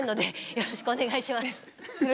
よろしくお願いします。